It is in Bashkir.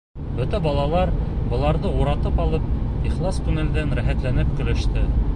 Бөтә балалар быларҙы уратып алып ихлас күңелдән, рәхәтләнеп көлөштө.